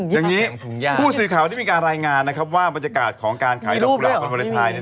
อย่างนี้คู่สือข่าวมีการรายงานว่าบรรจกาลของการขายดอกกุราบประมาณไทย